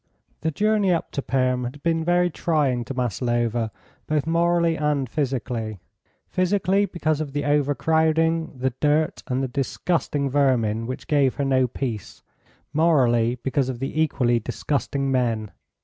The journey up to Perm had been very trying to Maslova both morally and physically. Physically, because of the overcrowding, the dirt, and the disgusting vermin, which gave her no peace; morally, because of the equally disgusting men.